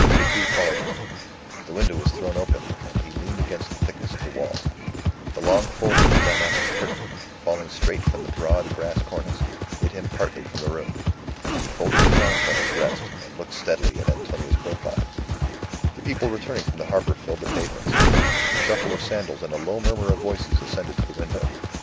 Decoud followed her. The window was thrown open, and he leaned against the thickness of the wall. The long folds of the damask curtain, falling straight from the broad brass cornice, hid him partly from the room. He folded his arms on his breast, and looked steadily at Antonia's profile. The people returning from the harbour filled the pavements; the shuffle of sandals and a low murmur of voices ascended to the window.